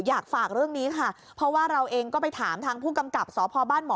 อยากฝากเรื่องนี้ค่ะเพราะว่าเราเองก็ไปถามทางผู้กำกับสพบ้านหมอ